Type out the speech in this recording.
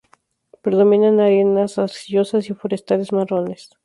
Predominan arenas arcillosas y forestales marrones.